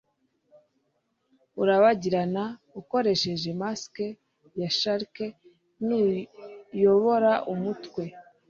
urabagirana ukoresheje mask ya shark nuyobora umutwe